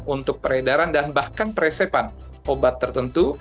untuk peredaran dan bahkan peresepan obat tertentu